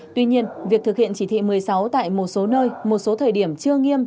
tuy nhiên việc thực hiện chỉ thị một mươi sáu tại một số nơi một số thời điểm chưa nghiêm